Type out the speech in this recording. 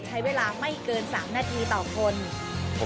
ใช้เวลาไม่เกิน๓นาทีต่อคน